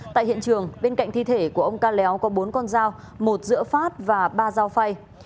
tại hiện trường bên cạnh thi thể của ông ca léo có bốn con dao một giữa phát và ba dao phay